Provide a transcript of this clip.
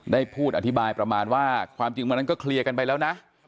ได้พูดอธิบายประมาณว่าความจริงวันนั้นก็เคลียร์กันไปแล้วนะ